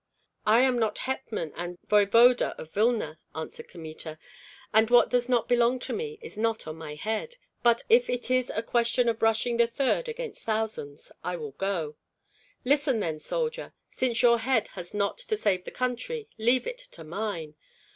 "I am not hetman and voevoda of Vilna," answered Kmita, "and what does not belong to me is not on my head. But if it is a question of rushing the third against thousands I will go." "Listen, then, soldier! Since your head has not to save the country, leave it to mine."